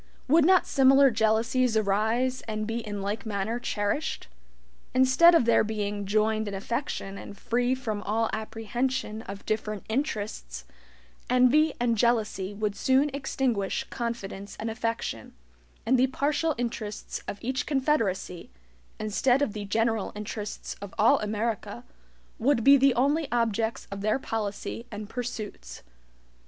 Would not similar jealousies arise, and be in like manner cherished? Instead of their being "joined in affection" and free from all apprehension of different "interests," envy and jealousy would soon extinguish confidence and affection, and the partial interests of each confederacy, instead of the general interests of all America, would be the only objects of their policy and pursuits.